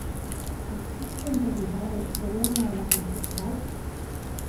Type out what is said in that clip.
Existe en realidade ou é unha alarma social?